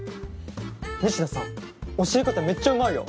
仁科さん教え方めっちゃうまいよ。